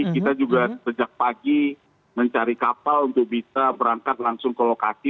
kita juga sejak pagi mencari kapal untuk bisa berangkat langsung ke lokasi